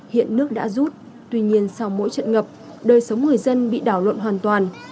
hiện nước đã rút tuy nhiên sau mỗi trận ngập đời sống người dân bị đảo lộn hoàn toàn